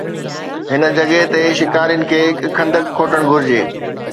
هن جڳهه تي، شڪارين کي هڪ خندق کوٽڻ گهرجي